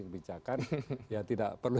kebijakan ya tidak perlu